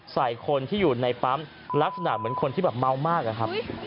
ใส่คนที่อยู่ในปั๊มลักษณะเหมือนคนที่เมามาก